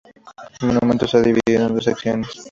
El monumento está dividido en dos secciones.